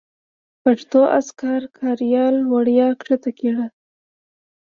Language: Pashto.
پښتو اذکار کاریال وړیا کښته کړئ.